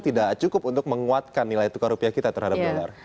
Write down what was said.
tidak cukup untuk menguatkan nilai tukar rupiah kita terhadap dolar